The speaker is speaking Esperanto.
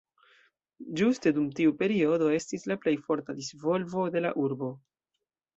Ĝuste dum tiu periodo estis la plej forta disvolvo de la urbo.